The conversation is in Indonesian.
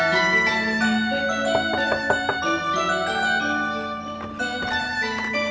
ya saya lagi konsentrasi